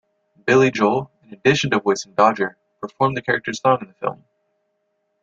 Billy Joel, in addition to voicing Dodger, performed the character's song in the film.